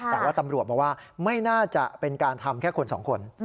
แต่ว่าตำรวจบอกว่าไม่น่าจะเป็นการทำแค่คนสองคน